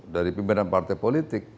dari pimpinan partai politik